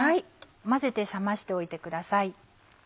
混ぜて冷ましておいてください。